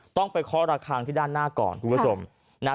ต้องไปเคาะระคางที่ด้านหน้าก่อนถูกกระสม